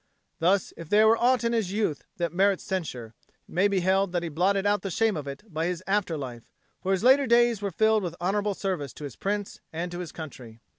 Thus if there were aught in his youth that merits censure, it may be held that he blotted out the shame of it by his after life, for his later days were filled with honourable service to his Prince and to his country.